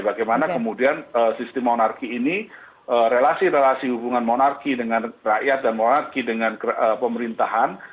bagaimana kemudian sistem monarki ini relasi relasi hubungan monarki dengan rakyat dan monarki dengan pemerintahan